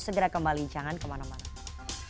segera kembali jangan kemana mana